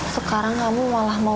sekarang kamu malah mau